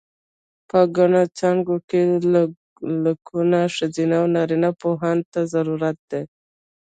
په ګڼو څانګو کې لکونو ښځینه و نارینه پوهانو ته ضرورت دی.